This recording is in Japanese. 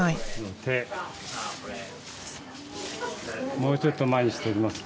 もうちょっと前にしてみますか？